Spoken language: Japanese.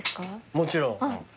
もちろん。